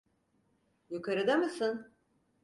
Yukarıda mısın?